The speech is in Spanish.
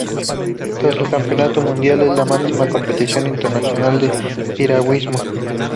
Tras el Campeonato Mundial, es la máxima competición internacional de piragüismo.